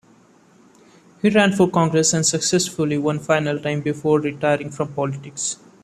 He ran for Congress unsuccessfully one final time before retiring from politics.